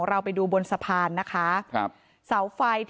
ใช่ครับจำได้ที่เดิม